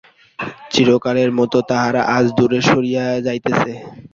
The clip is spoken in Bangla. চিরকালের মতো তাহারা আজ দূরে সরিয়া যাইতেছে।